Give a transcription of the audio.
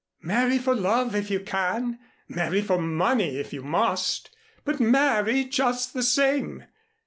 Marry for love if you can, marry for money if you must, but marry just the same.